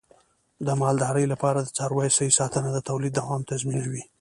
د مالدارۍ لپاره د څارویو صحي ساتنه د تولید دوام تضمینوي.